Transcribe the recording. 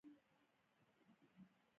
پهلوان غیږ باسی.